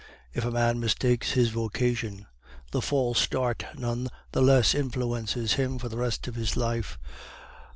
If a man mistakes his vocation, the false start none the less influences him for the rest of his life.